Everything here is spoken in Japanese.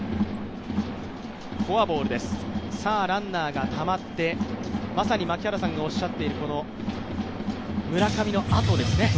ランナーがたまって、まさに槙原さんがおっしゃっているこの村上のあとの打者ですね。